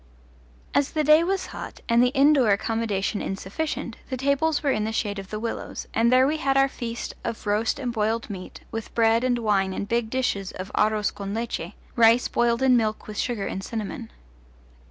As the day was hot and the indoor accommodation insufficient, the tables were in the shade of the willows, and there we had our feast of roast and boiled meat, with bread and wine and big dishes of aros con leche rice boiled in milk with sugar and cinnamon.